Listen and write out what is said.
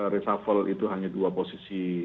reshuffle itu hanya dua posisi